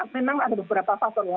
memang ada beberapa faktor ya